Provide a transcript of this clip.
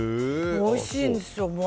おいしいんですよ。